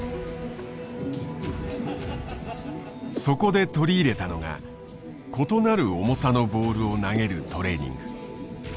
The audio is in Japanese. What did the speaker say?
そこで取り入れたのが異なる重さのボールを投げるトレーニング。